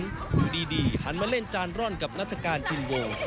อยู่ดีหันมาเล่นจานร่อนกับนัฐกาลชินวง